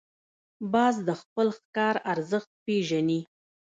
باز د خپل ښکار ارزښت پېژني